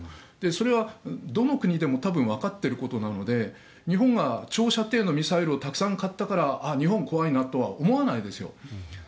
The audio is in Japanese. それはどの国でも多分わかっていることなので日本が長射程のミサイルをたくさん買ったからああ、日本怖いなとは思わないですよ。